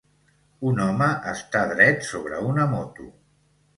Un home està dret sobre una moto.